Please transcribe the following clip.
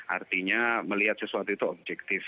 artinya melihat sesuatu itu objektif